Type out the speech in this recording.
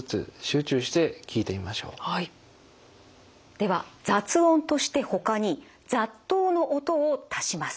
では雑音としてほかに雑踏の音を足します。